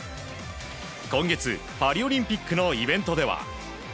今月、パリオリンピックのイベントでは。